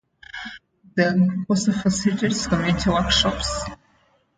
The group also facilitates community workshops.